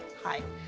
はい。